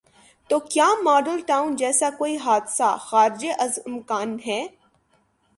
تو کیا ماڈل ٹاؤن جیسا کوئی حادثہ خارج از امکان ہے؟